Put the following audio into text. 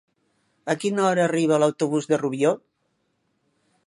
A quina hora arriba l'autobús de Rubió?